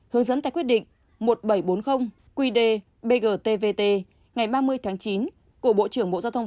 hướng dẫn tại quyết định một nghìn bảy trăm bốn mươi qd bgtvt ngày ba mươi tháng chín của bộ trưởng bộ giao thông